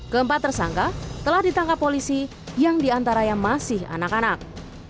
keempat tersangka telah ditangkap polisi yang diantaranya masih anak anak